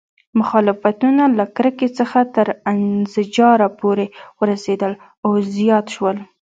مخالفتونه له کرکې څخه تر انزجار پورې ورسېدل او زیات شول.